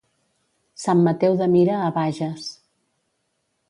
Sant Mateu de Mira a Bages.